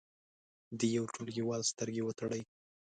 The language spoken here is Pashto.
د یو ټولګیوال سترګې وتړئ.